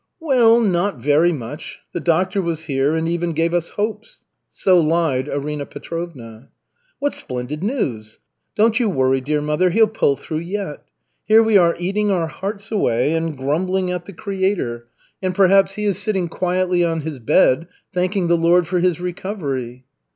"Well, not very much. The doctor was here and even gave us hopes." So lied Arina Petrovna. "What splendid news! Don't you worry, dear mother, he'll pull through yet. Here we are eating our hearts away and grumbling at the Creator, and perhaps he is sitting quietly on his bed thanking the Lord for his recovery."